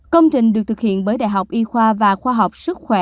công trình được thực hiện bởi đại học y khoa và khoa học sức khỏe